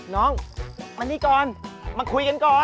น้องมานี่ก่อนมาคุยกันก่อน